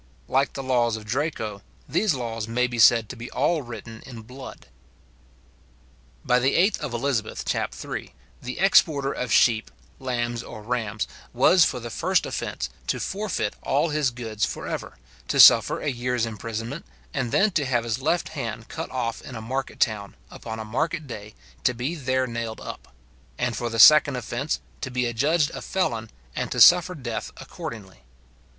Like the laws of Draco, these laws may be said to be all written in blood. By the 8th of Elizabeth, chap. 3, the exporter of sheep, lambs, or rams, was for the first offence, to forfeit all his goods for ever, to suffer a year's imprisonment, and then to have his left hand cut off in a market town, upon a market day, to be there nailed up; and for the second offence, to be adjudged a felon, and to suffer death accordingly.